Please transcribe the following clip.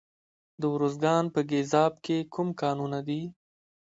د ارزګان په ګیزاب کې کوم کانونه دي؟